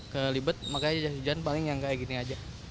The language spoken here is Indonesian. kelibet makanya jas hujan paling yang kayak gini aja